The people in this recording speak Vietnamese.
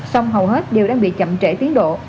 sông hầu hết đều đang bị chậm trễ tiến độ